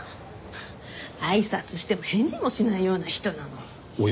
あいさつしても返事もしないような人なのよ。